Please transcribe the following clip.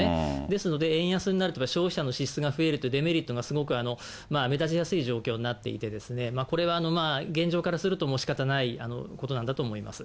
ですので、円安になると、やっぱり消費者の支出が増えるという、デメリットがすごく目立ちやすい状況になっていて、これは現状からすると、もうしかたないことなんだと思います。